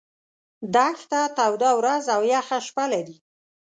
دښته توده ورځ او یخه شپه لري.